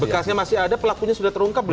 bekasnya masih ada pelakunya sudah terungkap belum